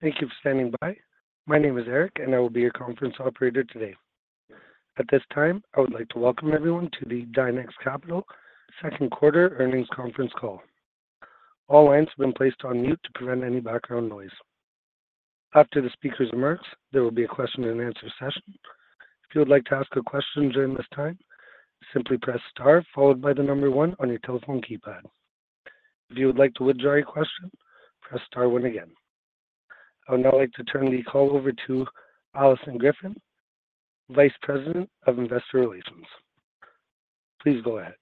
Thank you for standing by. My name is Eric, and I will be your conference operator today. At this time, I would like to welcome everyone to the Dynex Capital second quarter earnings conference call. All lines have been placed on mute to prevent any background noise. After the speaker's remarks, there will be a question-and-answer session. If you would like to ask a question during this time, simply press star followed by the number one on your telephone keypad. If you would like to withdraw your question, press star one again. I would now like to turn the call over to Alison Griffin, Vice President of Investor Relations. Please go ahead.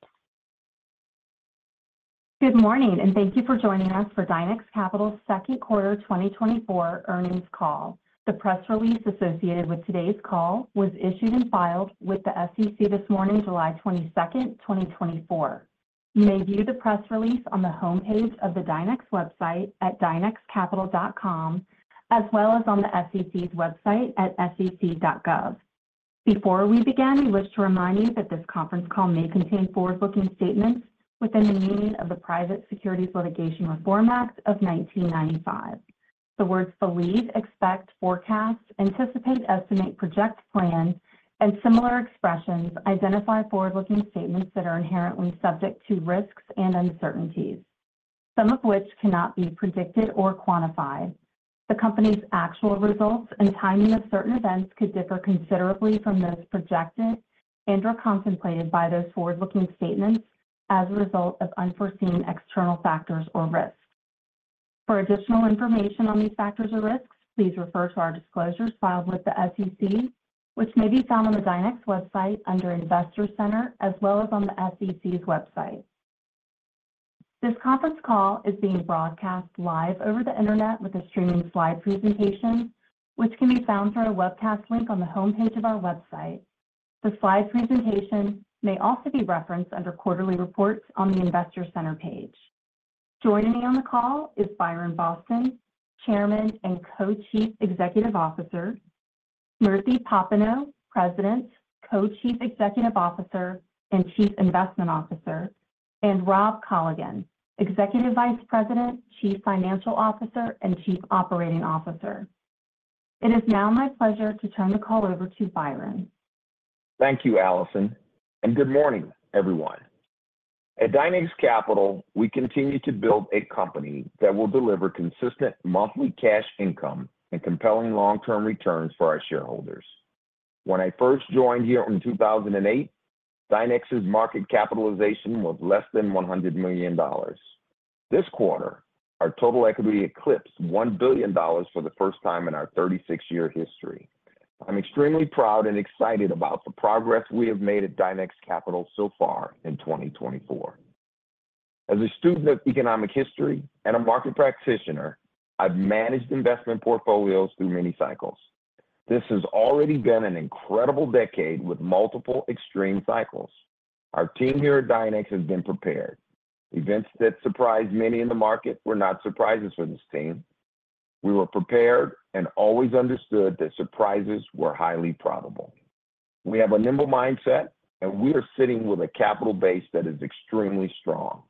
Good morning, and thank you for joining us for Dynex Capital's second quarter 2024 earnings call. The press release associated with today's call was issued and filed with the SEC this morning, July 22nd, 2024. You may view the press release on the homepage of the Dynex website at dynexcapital.com, as well as on the SEC's website at sec.gov. Before we begin, we wish to remind you that this conference call may contain forward-looking statements within the meaning of the Private Securities Litigation Reform Act of 1995. The words believe, expect, forecast, anticipate, estimate, project, plan, and similar expressions identify forward-looking statements that are inherently subject to risks and uncertainties, some of which cannot be predicted or quantified. The company's actual results and timing of certain events could differ considerably from those projected and/or contemplated by those forward-looking statements as a result of unforeseen external factors or risks. For additional information on these factors or risks, please refer to our disclosures filed with the SEC, which may be found on the Dynex website under Investor Center, as well as on the SEC's website. This conference call is being broadcast live over the internet with a streaming slide presentation, which can be found through a webcast link on the homepage of our website. The slide presentation may also be referenced under Quarterly Reports on the Investor Center page. Joining me on the call is Byron Boston, Chairman and Co-Chief Executive Officer; Smriti Popenoe, President, Co-Chief Executive Officer and Chief Investment Officer; and Rob Colligan, Executive Vice President, Chief Financial Officer, and Chief Operating Officer. It is now my pleasure to turn the call over to Byron. Thank you, Alison, and good morning, everyone. At Dynex Capital, we continue to build a company that will deliver consistent monthly cash income and compelling long-term returns for our shareholders. When I first joined here in 2008, Dynex's market capitalization was less than $100 million. This quarter, our total equity eclipsed $1 billion for the first time in our 36-year history. I'm extremely proud and excited about the progress we have made at Dynex Capital so far in 2024. As a student of economic history and a market practitioner, I've managed investment portfolios through many cycles. This has already been an incredible decade with multiple extreme cycles. Our team here at Dynex has been prepared. Events that surprised many in the market were not surprises for this team. We were prepared and always understood that surprises were highly probable. We have a nimble mindset, and we are sitting with a capital base that is extremely strong.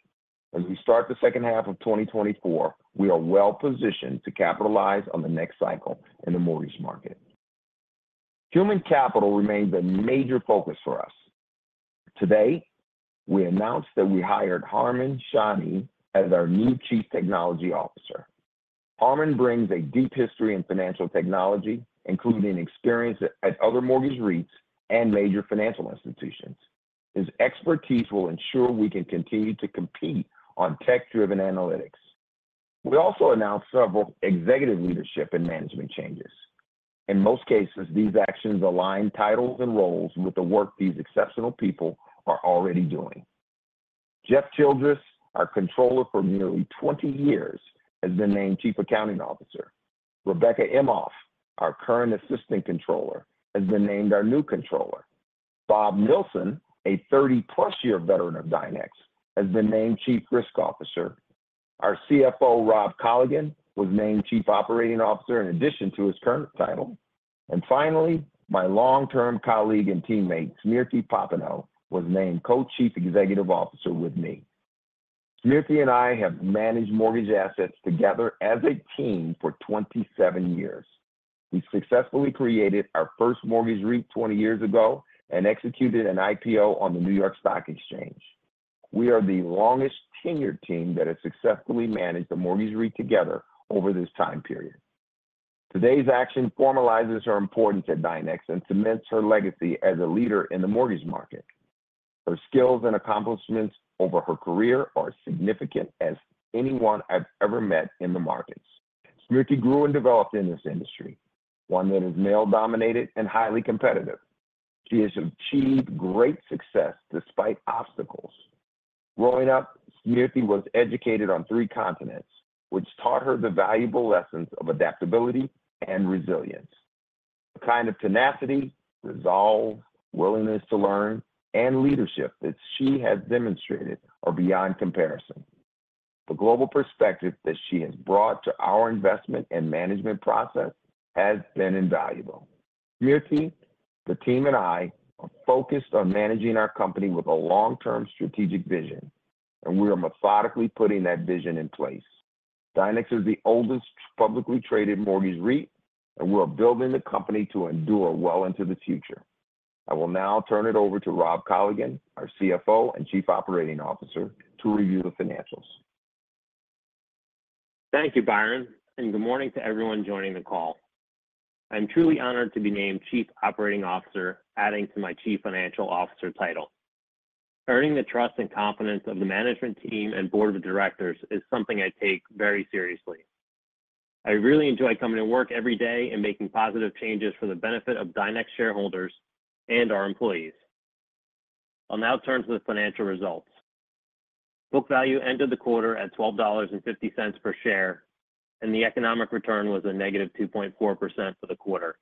As we start the second half of 2024, we are well-positioned to capitalize on the next cycle in the mortgage market. Human capital remains a major focus for us. Today, we announced that we hired Harmon Sahni as our new Chief Technology Officer. Harmon brings a deep history in financial technology, including experience at other mortgage REITs and major financial institutions. His expertise will ensure we can continue to compete on tech-driven analytics. We also announced several executive leadership and management changes. In most cases, these actions align titles and roles with the work these exceptional people are already doing. Jeff Childress, our controller for nearly 20 years, has been named Chief Accounting Officer. Rebecca Imhoff, our current Assistant Controller, has been named our new controller. Bob Nelson, a 30+-year veteran of Dynex, has been named Chief Risk Officer. Our CFO, Rob Colligan, was named Chief Operating Officer in addition to his current title. And finally, my long-term colleague and teammate, Smriti Popenoe, was named Co-Chief Executive Officer with me. Smriti and I have managed mortgage assets together as a team for 27 years. We successfully created our first mortgage REIT 20 years ago and executed an IPO on the New York Stock Exchange. We are the longest-tenured team that has successfully managed a mortgage REIT together over this time period. Today's action formalizes her importance at Dynex and cements her legacy as a leader in the mortgage market. Her skills and accomplishments over her career are as significant as anyone I've ever met in the markets. Smriti grew and developed in this industry, one that is male-dominated and highly competitive. She has achieved great success despite obstacles. Growing up, Smriti was educated on three continents, which taught her the valuable lessons of adaptability and resilience. The kind of tenacity, resolve, willingness to learn, and leadership that she has demonstrated are beyond comparison. The global perspective that she has brought to our investment and management process has been invaluable. Smriti, the team, and I are focused on managing our company with a long-term strategic vision, and we are methodically putting that vision in place. Dynex is the oldest publicly traded mortgage REIT, and we are building the company to endure well into the future. I will now turn it over to Rob Colligan, our CFO and Chief Operating Officer, to review the financials. Thank you, Byron, and good morning to everyone joining the call. I'm truly honored to be named Chief Operating Officer, adding to my Chief Financial Officer title. Earning the trust and confidence of the management team and board of directors is something I take very seriously. I really enjoy coming to work every day and making positive changes for the benefit of Dynex shareholders and our employees. I'll now turn to the financial results. Book value ended the quarter at $12.50 per share, and the economic return was -2.4% for the quarter.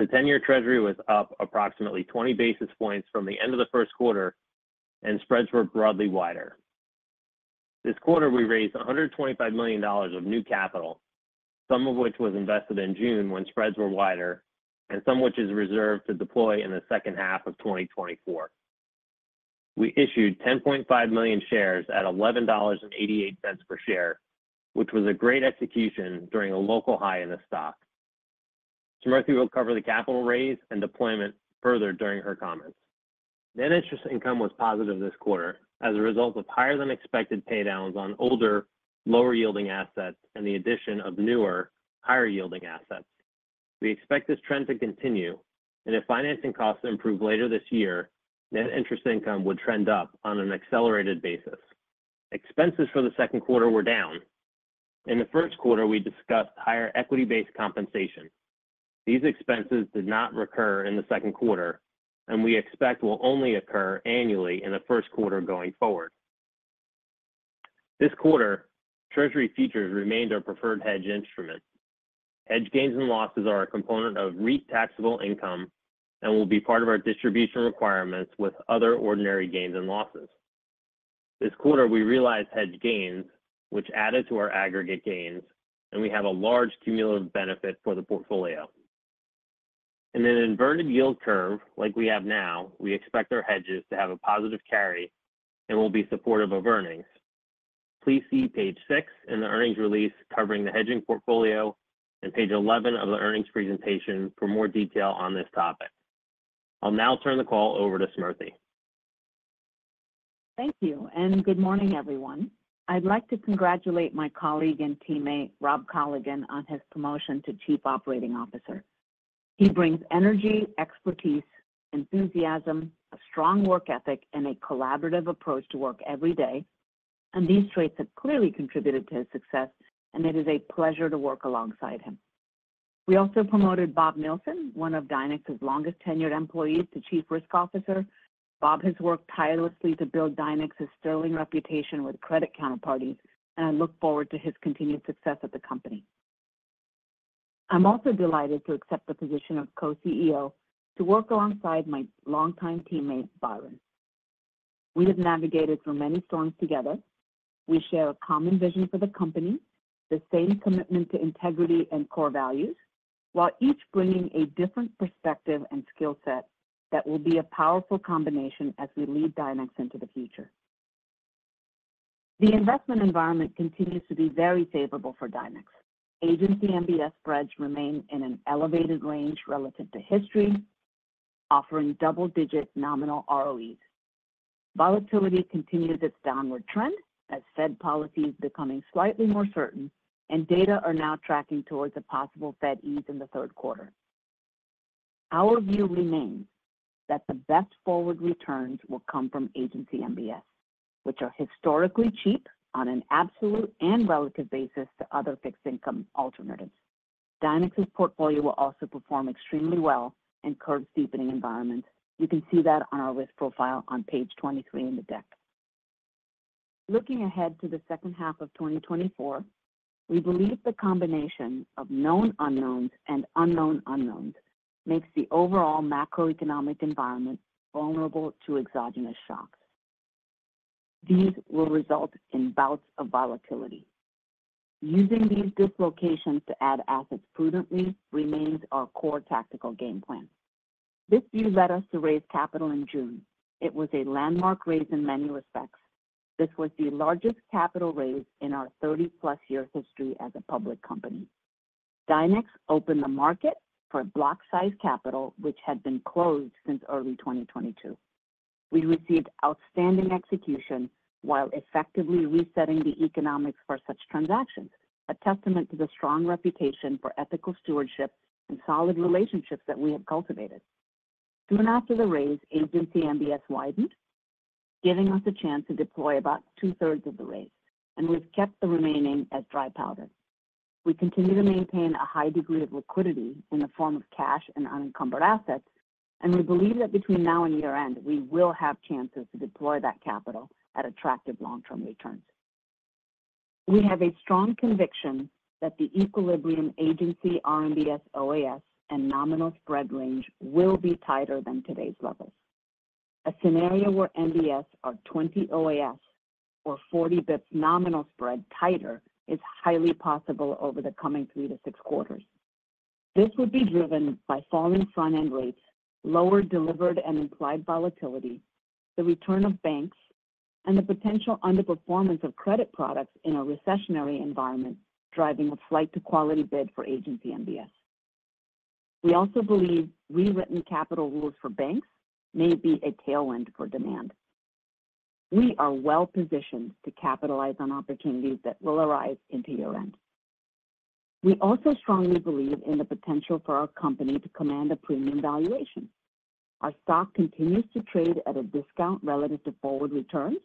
The 10-year Treasury was up approximately 20 basis points from the end of the first quarter, and spreads were broadly wider. This quarter, we raised $125 million of new capital, some of which was invested in June when spreads were wider, and some of which is reserved to deploy in the second half of 2024. We issued 10.5 million shares at $11.88 per share, which was a great execution during a local high in the stock. Smriti will cover the capital raise and deployment further during her comments. Net interest income was positive this quarter as a result of higher-than-expected paydowns on older, lower-yielding assets and the addition of newer, higher-yielding assets. We expect this trend to continue, and if financing costs improve later this year, net interest income would trend up on an accelerated basis. Expenses for the second quarter were down. In the first quarter, we discussed higher equity-based compensation. These expenses did not recur in the second quarter, and we expect will only occur annually in the first quarter going forward. This quarter, Treasury futures remained our preferred hedge instrument. Hedge gains and losses are a component of REIT taxable income and will be part of our distribution requirements with other ordinary gains and losses. This quarter, we realized hedge gains, which added to our aggregate gains, and we have a large cumulative benefit for the portfolio. In an inverted yield curve like we have now, we expect our hedges to have a positive carry and will be supportive of earnings. Please see page 6 in the earnings release covering the hedging portfolio and page 11 of the earnings presentation for more detail on this topic. I'll now turn the call over to Smriti. Thank you, and good morning, everyone. I'd like to congratulate my colleague and teammate, Rob Colligan, on his promotion to Chief Operating Officer. He brings energy, expertise, enthusiasm, a strong work ethic, and a collaborative approach to work every day, and these traits have clearly contributed to his success, and it is a pleasure to work alongside him. We also promoted Bob Nelson, one of Dynex's longest-tenured employees, to Chief Risk Officer. Bob has worked tirelessly to build Dynex's sterling reputation with credit counterparties, and I look forward to his continued success at the company. I'm also delighted to accept the position of Co-CEO to work alongside my longtime teammate, Byron. We have navigated through many storms together. We share a common vision for the company, the same commitment to integrity and core values, while each bringing a different perspective and skill set that will be a powerful combination as we lead Dynex into the future. The investment environment continues to be very favorable for Dynex. Agency MBS spreads remain in an elevated range relative to history, offering double-digit nominal ROEs. Volatility continues its downward trend as Fed policies becoming slightly more certain, and data are now tracking towards a possible Fed ease in the third quarter. Our view remains that the best forward returns will come from agency MBS, which are historically cheap on an absolute and relative basis to other fixed income alternatives. Dynex's portfolio will also perform extremely well in curve-deepening environments. You can see that on our risk profile on page 23 in the deck. Looking ahead to the second half of 2024, we believe the combination of known unknowns and unknown unknowns makes the overall macroeconomic environment vulnerable to exogenous shocks. These will result in bouts of volatility. Using these dislocations to add assets prudently remains our core tactical game plan. This view led us to raise capital in June. It was a landmark raise in many respects. This was the largest capital raise in our 30-plus-year history as a public company. Dynex opened the market for block-sized capital, which had been closed since early 2022. We received outstanding execution while effectively resetting the economics for such transactions, a testament to the strong reputation for ethical stewardship and solid relationships that we have cultivated. Soon after the raise, Agency MBS widened, giving us a chance to deploy about two-thirds of the raise, and we've kept the remaining as dry powder. We continue to maintain a high degree of liquidity in the form of cash and unencumbered assets, and we believe that between now and year-end, we will have chances to deploy that capital at attractive long-term returns. We have a strong conviction that the equilibrium Agency RMBS OAS and nominal spread range will be tighter than today's levels. A scenario where MBS are 20 OAS or 40 bps nominal spread tighter is highly possible over the coming three to six quarters. This would be driven by falling front-end rates, lower delivered and implied volatility, the return of banks, and the potential underperformance of credit products in a recessionary environment driving a flight-to-quality bid for agency MBS. We also believe rewritten capital rules for banks may be a tailwind for demand. We are well-positioned to capitalize on opportunities that will arise into year-end. We also strongly believe in the potential for our company to command a premium valuation. Our stock continues to trade at a discount relative to forward returns.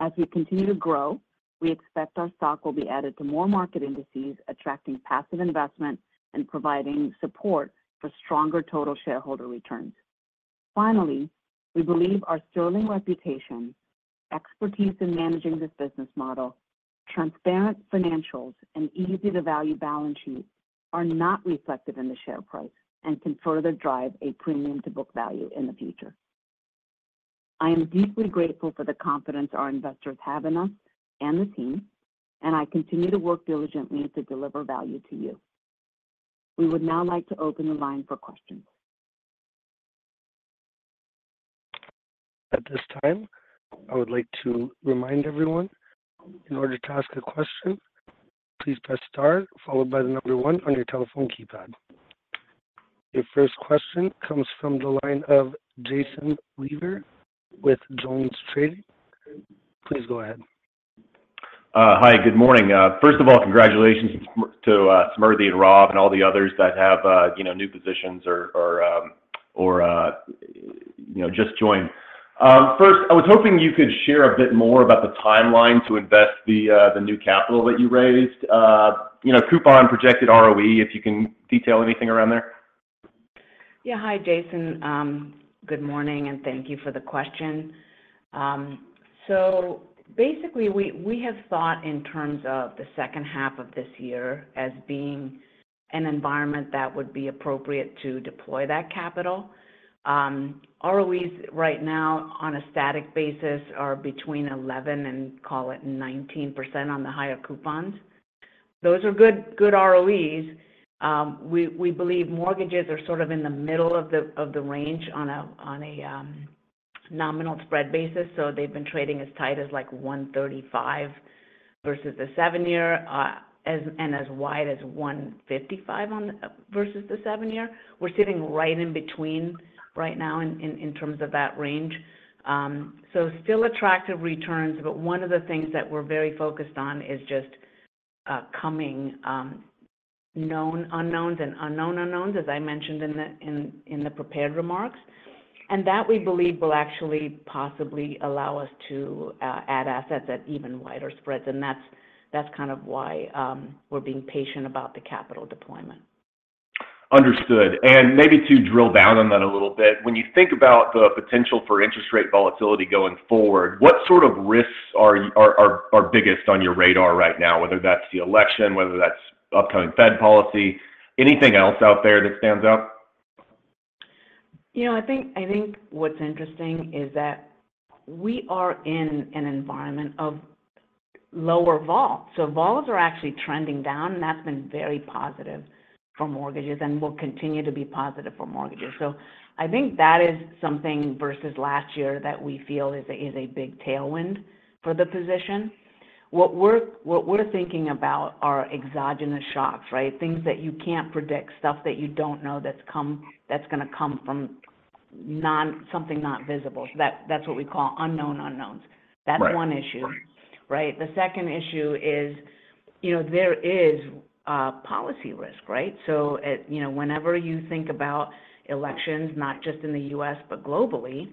As we continue to grow, we expect our stock will be added to more market indices, attracting passive investment and providing support for stronger total shareholder returns. Finally, we believe our sterling reputation, expertise in managing this business model, transparent financials, and easy-to-value balance sheet are not reflected in the share price and can further drive a premium-to-book value in the future. I am deeply grateful for the confidence our investors have in us and the team, and I continue to work diligently to deliver value to you. We would now like to open the line for questions. At this time, I would like to remind everyone, in order to ask a question, please press star, followed by the number one on your telephone keypad. Your first question comes from the line of Jason Weaver with JonesTrading. Please go ahead. Hi, good morning. First of all, congratulations to Smriti and Rob and all the others that have new positions or just joined. First, I was hoping you could share a bit more about the timeline to invest the new capital that you raised, coupon projected ROE, if you can detail anything around there? Yeah, hi, Jason. Good morning, and thank you for the question. So basically, we have thought in terms of the second half of this year as being an environment that would be appropriate to deploy that capital. ROEs right now, on a static basis, are between 11 and, call it, 19% on the higher coupons. Those are good ROEs. We believe mortgages are sort of in the middle of the range on a nominal spread basis, so they've been trading as tight as like 135 versus the seven-year and as wide as 155 versus the seven-year. We're sitting right in between right now in terms of that range. Still attractive returns, but one of the things that we're very focused on is just coming known unknowns and unknown unknowns, as I mentioned in the prepared remarks, and that we believe will actually possibly allow us to add assets at even wider spreads. That's kind of why we're being patient about the capital deployment. Understood. And maybe to drill down on that a little bit, when you think about the potential for interest rate volatility going forward, what sort of risks are biggest on your radar right now, whether that's the election, whether that's upcoming Fed policy, anything else out there that stands out? You know, I think what's interesting is that we are in an environment of lower vols. So vols are actually trending down, and that's been very positive for mortgages and will continue to be positive for mortgages. So I think that is something versus last year that we feel is a big tailwind for the position. What we're thinking about are exogenous shocks, right? Things that you can't predict, stuff that you don't know that's going to come from something not visible. That's what we call unknown unknowns. That's one issue, right? The second issue is there is policy risk, right? So whenever you think about elections, not just in the U.S., but globally,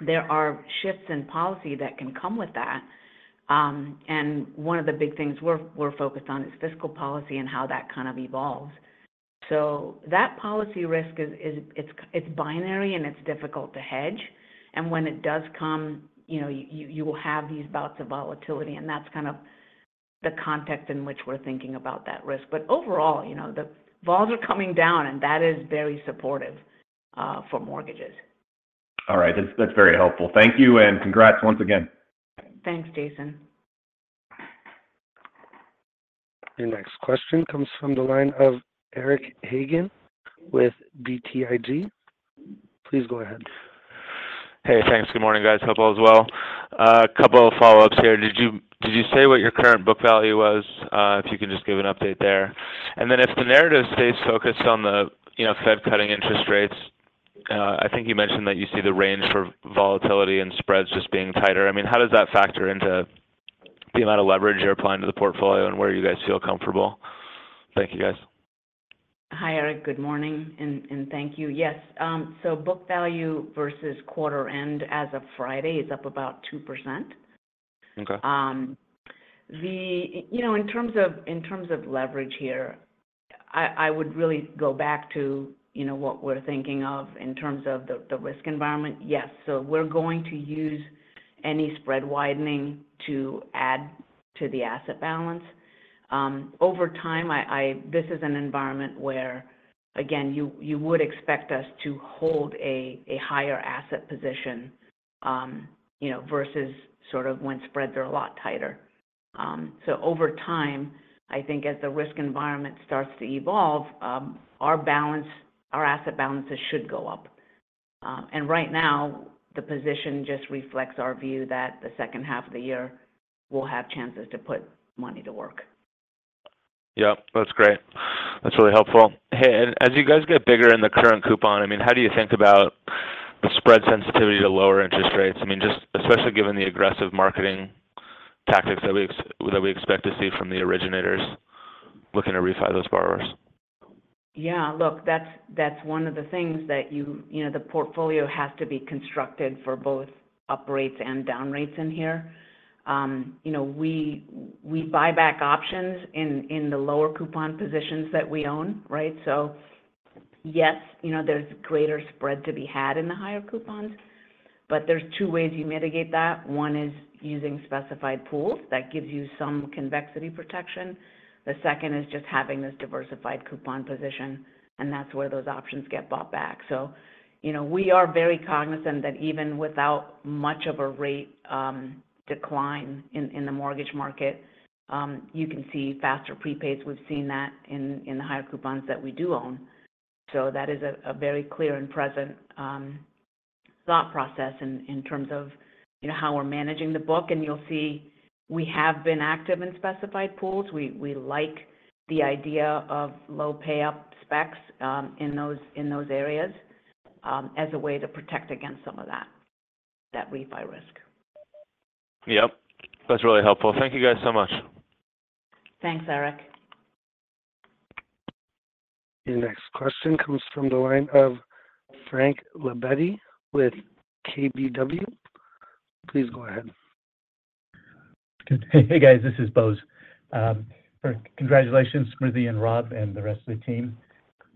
there are shifts in policy that can come with that. And one of the big things we're focused on is fiscal policy and how that kind of evolves. So that policy risk, it's binary and it's difficult to hedge. And when it does come, you will have these bouts of volatility, and that's kind of the context in which we're thinking about that risk. But overall, the vols are coming down, and that is very supportive for mortgages. All right. That's very helpful. Thank you and congrats once again. Thanks, Jason. Your next question comes from the line of Eric Hagen with BTIG. Please go ahead. Hey, thanks. Good morning, guys. Hello as well. A couple of follow-ups here. Did you say what your current book value was? If you can just give an update there. And then if the narrative stays focused on the Fed cutting interest rates, I think you mentioned that you see the range for volatility and spreads just being tighter. I mean, how does that factor into the amount of leverage you're applying to the portfolio and where you guys feel comfortable? Thank you, guys. Hi, Eric. Good morning, and thank you. Yes. So book value versus quarter-end as of Friday is up about 2%. In terms of leverage here, I would really go back to what we're thinking of in terms of the risk environment. Yes. So we're going to use any spread widening to add to the asset balance. Over time, this is an environment where, again, you would expect us to hold a higher asset position versus sort of when spreads are a lot tighter. So over time, I think as the risk environment starts to evolve, our asset balances should go up. And right now, the position just reflects our view that the second half of the year we'll have chances to put money to work. Yep. That's great. That's really helpful. Hey, and as you guys get bigger in the current coupon, I mean, how do you think about the spread sensitivity to lower interest rates? I mean, just especially given the aggressive marketing tactics that we expect to see from the originators looking to refi those borrowers. Yeah. Look, that's one of the things that the portfolio has to be constructed for both up rates and down rates in here. We buy back options in the lower coupon positions that we own, right? So yes, there's greater spread to be had in the higher coupons, but there's two ways you mitigate that. One is using specified pools that gives you some convexity protection. The second is just having this diversified coupon position, and that's where those options get bought back. So we are very cognizant that even without much of a rate decline in the mortgage market, you can see faster prepays. We've seen that in the higher coupons that we do own. So that is a very clear and present thought process in terms of how we're managing the book. And you'll see we have been active in specified pools. We like the idea of low pay-up specs in those areas as a way to protect against some of that refi risk. Yep. That's really helpful. Thank you guys so much. Thanks, Eric. Your next question comes from the line of Frank Lebetti with KBW. Please go ahead. Hey, guys. This is Bose. Congratulations, Smriti and Rob, and the rest of the team.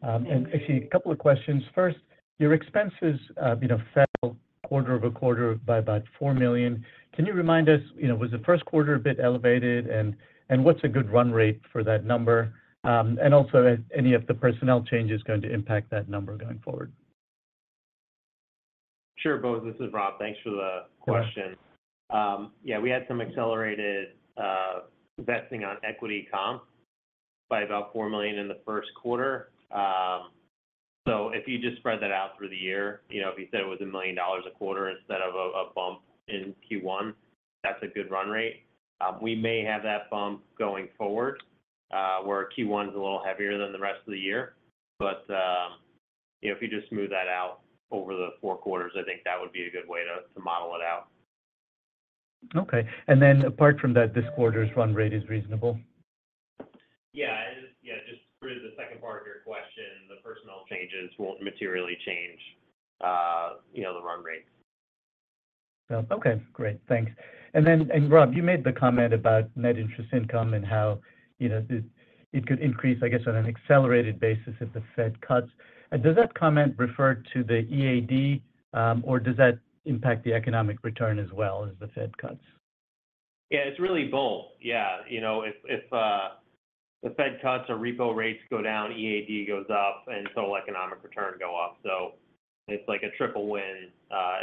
Actually, a couple of questions. First, your expenses fell quarter-over-quarter by about $4 million. Can you remind us, was the first quarter a bit elevated, and what's a good run rate for that number? Also, any of the personnel changes going to impact that number going forward? Sure, Bose. This is Rob. Thanks for the question. Yeah, we had some accelerated vesting on equity comp by about $4 million in the first quarter. So if you just spread that out through the year, if you said it was $1 million a quarter instead of a bump in Q1, that's a good run rate. We may have that bump going forward where Q1 is a little heavier than the rest of the year. But if you just smooth that out over the four quarters, I think that would be a good way to model it out. Okay. And then apart from that, this quarter's run rate is reasonable? Yeah. Yeah. Just through the second part of your question, the personnel changes won't materially change the run rate. Okay. Great. Thanks. And then, Rob, you made the comment about net interest income and how it could increase, I guess, on an accelerated basis if the Fed cuts. Does that comment refer to the EAD, or does that impact the economic return as well as the Fed cuts? Yeah. It's really both. Yeah. If the Fed cuts or repo rates go down, EAD goes up, and total economic return goes up. So it's like a triple win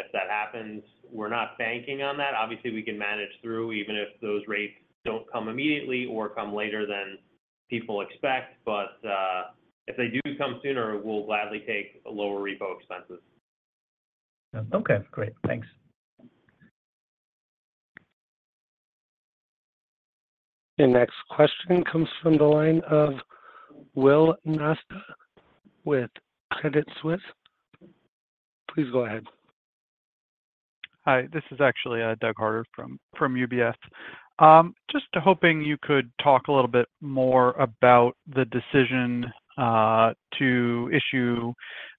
if that happens. We're not banking on that. Obviously, we can manage through even if those rates don't come immediately or come later than people expect. But if they do come sooner, we'll gladly take lower repo expenses. Okay. Great. Thanks. Your next question comes from the line of Douglas Harter with Credit Suisse. Please go ahead. Hi. This is actually Doug Harter from UBS. Just hoping you could talk a little bit more about the decision to issue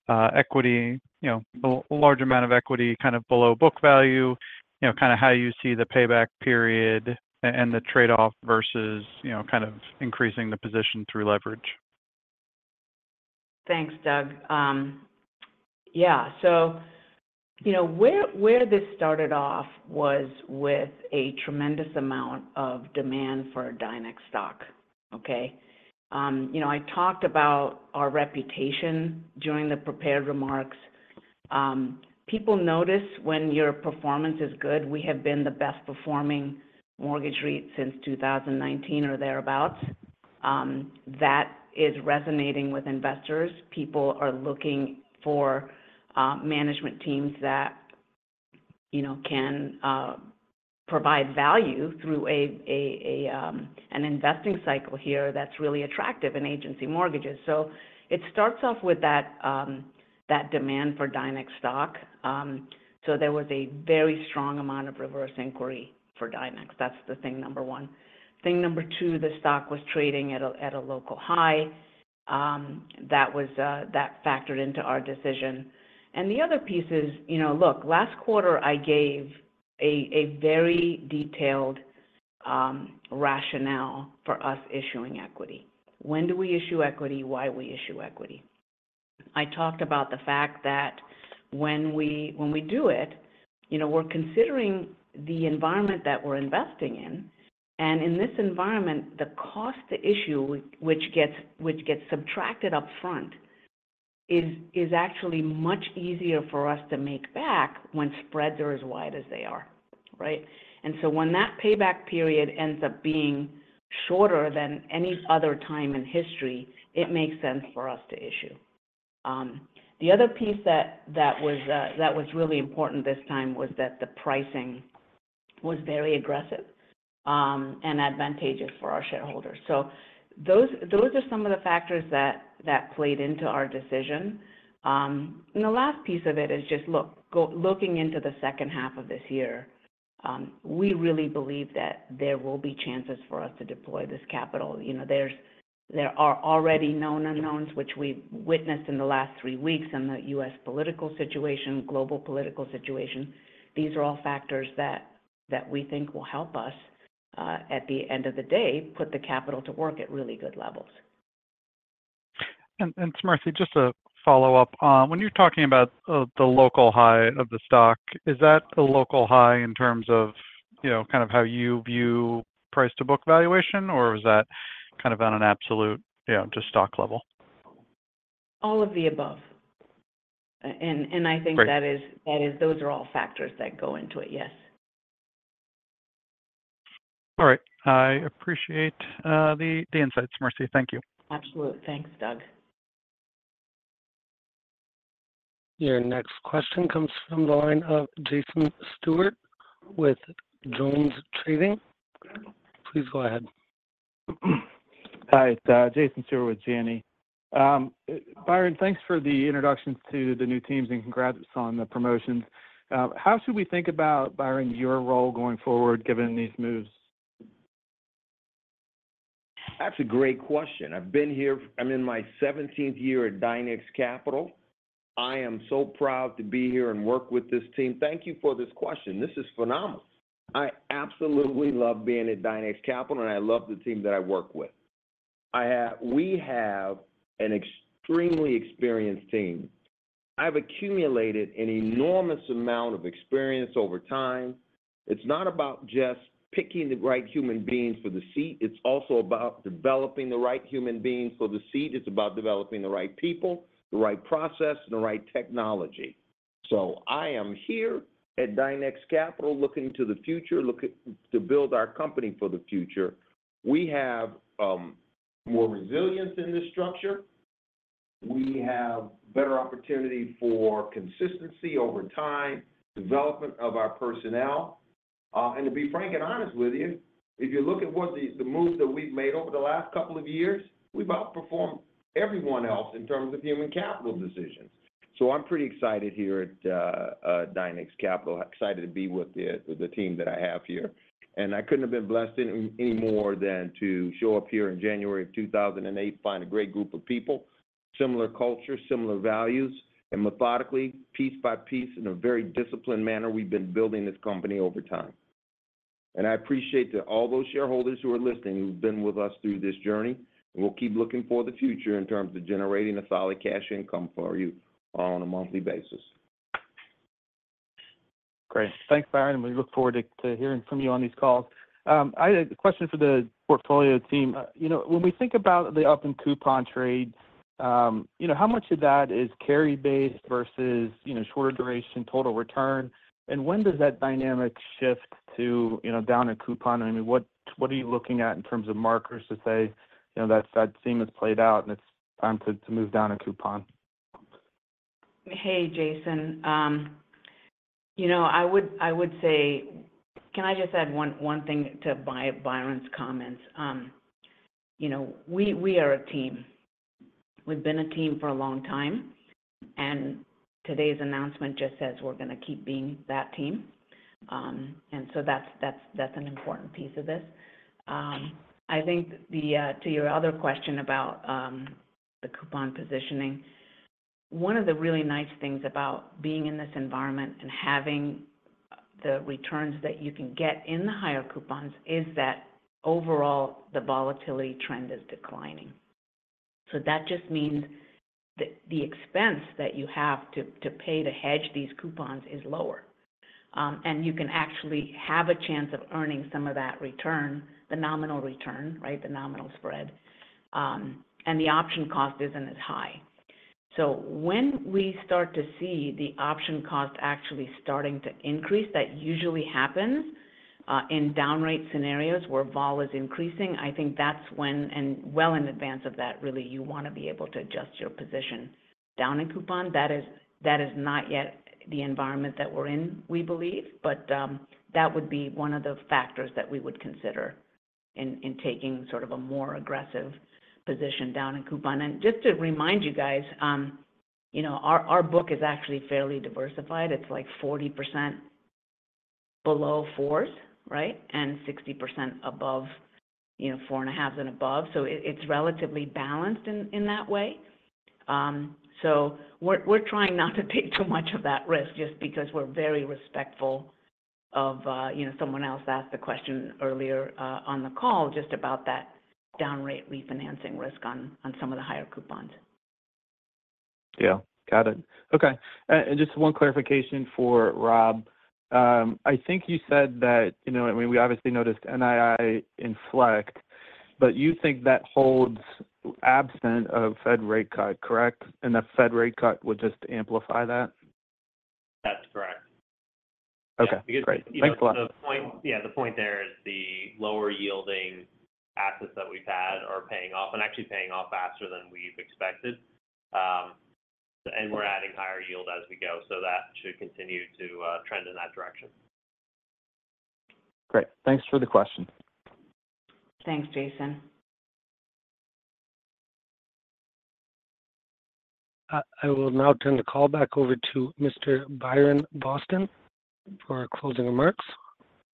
equity, a large amount of equity kind of below book value, kind of how you see the payback period and the trade-off versus kind of increasing the position through leverage? Thanks, Doug. Yeah. So where this started off was with a tremendous amount of demand for Dynex stock, okay? I talked about our reputation during the prepared remarks. People notice when your performance is good. We have been the best-performing mortgage REIT since 2019 or thereabouts. That is resonating with investors. People are looking for management teams that can provide value through an investing cycle here that's really attractive in agency mortgages. So it starts off with that demand for Dynex stock. So there was a very strong amount of reverse inquiry for Dynex. That's the thing number one. Thing number two, the stock was trading at a local high. That factored into our decision. And the other piece is, look, last quarter, I gave a very detailed rationale for us issuing equity. When do we issue equity? Why we issue equity? I talked about the fact that when we do it, we're considering the environment that we're investing in. And in this environment, the cost to issue, which gets subtracted upfront, is actually much easier for us to make back when spreads are as wide as they are, right? And so when that payback period ends up being shorter than any other time in history, it makes sense for us to issue. The other piece that was really important this time was that the pricing was very aggressive and advantageous for our shareholders. So those are some of the factors that played into our decision. And the last piece of it is just, look, looking into the second half of this year, we really believe that there will be chances for us to deploy this capital. There are already known unknowns, which we've witnessed in the last three weeks in the U.S. political situation, global political situation. These are all factors that we think will help us, at the end of the day, put the capital to work at really good levels. Smriti, just a follow-up. When you're talking about the local high of the stock, is that a local high in terms of kind of how you view price-to-book valuation, or is that kind of on an absolute just stock level? All of the above. I think that those are all factors that go into it, yes. All right. I appreciate the insights, Smriti. Thank you. Absolutely. Thanks, Doug. Your next question comes from the line of Jason Stewart with JonesTrading. Please go ahead. Hi. It's Jason Stewart with Janney. Byron, thanks for the introductions to the new teams and congrats on the promotions. How should we think about, Byron, your role going forward given these moves? That's a great question. I'm in my 17th year at Dynex Capital. I am so proud to be here and work with this team. Thank you for this question. This is phenomenal. I absolutely love being at Dynex Capital, and I love the team that I work with. We have an extremely experienced team. I've accumulated an enormous amount of experience over time. It's not about just picking the right human beings for the seat. It's also about developing the right human beings for the seat. It's about developing the right people, the right process, and the right technology. So I am here at Dynex Capital looking to the future, looking to build our company for the future. We have more resilience in this structure. We have better opportunity for consistency over time, development of our personnel. And to be frank and honest with you, if you look at the moves that we've made over the last couple of years, we've outperformed everyone else in terms of human capital decisions. So I'm pretty excited here at Dynex Capital. Excited to be with the team that I have here. And I couldn't have been blessed any more than to show up here in January of 2008, find a great group of people, similar culture, similar values, and methodically, piece by piece, in a very disciplined manner, we've been building this company over time. And I appreciate all those shareholders who are listening who've been with us through this journey. And we'll keep looking for the future in terms of generating a solid cash income for you on a monthly basis. Great. Thanks, Byron. We look forward to hearing from you on these calls. I had a question for the portfolio team. When we think about the up-and-coupon trade, how much of that is carry-based versus shorter duration total return? And when does that dynamic shift to down-and-coupon? I mean, what are you looking at in terms of markers to say that that seam has played out and it's time to move down-and-coupon? Hey, Jason. I would say, can I just add one thing to Byron's comments? We are a team. We've been a team for a long time. And today's announcement just says we're going to keep being that team. And so that's an important piece of this. I think to your other question about the coupon positioning, one of the really nice things about being in this environment and having the returns that you can get in the higher coupons is that overall, the volatility trend is declining. So that just means that the expense that you have to pay to hedge these coupons is lower. And you can actually have a chance of earning some of that return, the nominal return, right, the nominal spread. And the option cost isn't as high. So when we start to see the option cost actually starting to increase, that usually happens in down-rate scenarios where vol is increasing. I think that's when and well in advance of that, really, you want to be able to adjust your position down-and-coupon. That is not yet the environment that we're in, we believe. But that would be one of the factors that we would consider in taking sort of a more aggressive position down-and-coupon. And just to remind you guys, our book is actually fairly diversified. It's like 40% below 4s, right, and 60% above 4.5s and above. So we're trying not to take too much of that risk just because we're very respectful of someone else asked the question earlier on the call just about that down-rate refinancing risk on some of the higher coupons. Yeah. Got it. Okay. And just one clarification for Rob. I think you said that, I mean, we obviously noticed NII inflect, but you think that holds absent of Fed rate cut, correct? And the Fed rate cut would just amplify that? That's correct. Okay. Great. Thanks a lot. Yeah. The point there is the lower-yielding assets that we've had are paying off and actually paying off faster than we've expected. We're adding higher yield as we go. That should continue to trend in that direction. Great. Thanks for the question. Thanks, Jason. I will now turn the call back over to Mr. Byron Boston for closing remarks.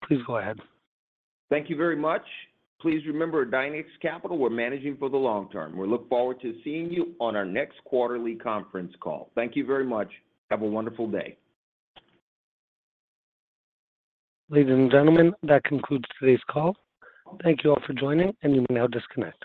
Please go ahead. Thank you very much. Please remember, at Dynex Capital, we're managing for the long term. We look forward to seeing you on our next quarterly conference call. Thank you very much. Have a wonderful day. Ladies and gentlemen, that concludes today's call. Thank you all for joining, and you may now disconnect.